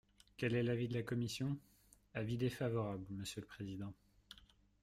Quel est l’avis de la commission ? Avis défavorable, monsieur le président.